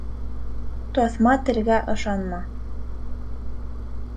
Таҫма телгә ышанма.